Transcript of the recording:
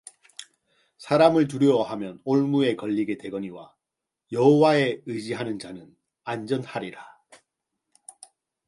사람을 두려워하면 올무에 걸리게 되거니와 여호와를 의지하는 자는 안전하리라